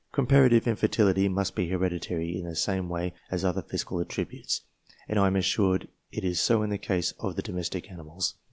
Comparative infertility must be hereditary in the same way as other physical attributes, and I am assured it is so in the case of the domestic animals.